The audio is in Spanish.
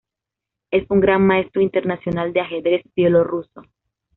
Es un Gran Maestro Internacional de ajedrez bielorruso.